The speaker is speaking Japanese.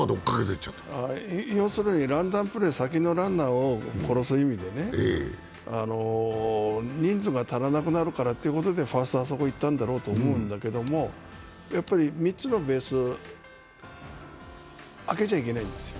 要するに先のランナーを殺す意味で人数が足らなくなるからということでファーストはあそこへ行ったんだろうと思うんだけどやっぱり３つのベース、空けちゃいけないんですよ。